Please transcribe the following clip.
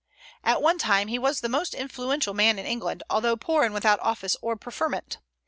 At one time he was the most influential man in England, although poor and without office or preferment.